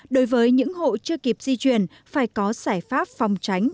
đối với những hộ chưa kịp di chuyển phải có giải pháp phòng tránh